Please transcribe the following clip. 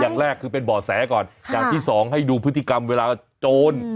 อย่างแรกคือเป็นบ่อแสก่อนอย่างที่สองให้ดูพฤติกรรมเวลาโจร